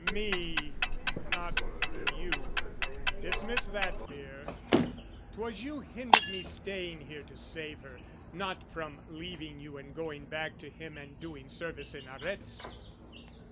Me not through you dismiss that fear! 'Twas you Hindered me staying here to save her, not From leaving you and going back to him And doing service in Arezzo.